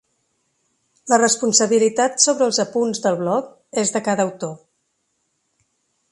La responsabilitat sobre els apunts del bloc és de cada autor.